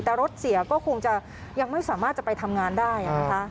แต่รถเสียก็คงจะยังไม่สามารถจะไปทำงานได้นะคะ